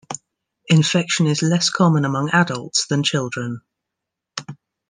Infection is less common among adults than children.